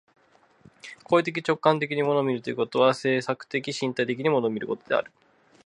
行為的直観的に物を見るということは、制作的身体的に物を見ることである。